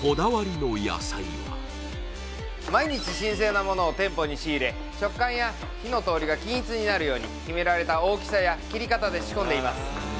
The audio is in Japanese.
毎日新鮮なものを店舗に仕入れ食感や火の通りが均一になるように決められた大きさや切り方で仕込んでいます